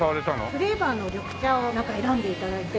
フレーバーの緑茶を選んで頂いて。